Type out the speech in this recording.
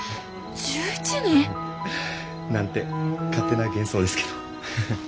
１１人！？なんて勝手な幻想ですけど。